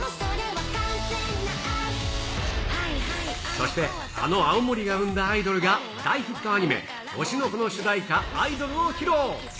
そしてあの青森が生んだアイドルが大ヒットアニメ、推しの子の主題歌、アイドルを披露。